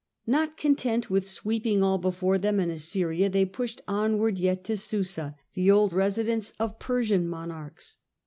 N ot content with sweeping all before them in Assyria, they pushed onward yet to Susa, the old residence of Persian monarchs.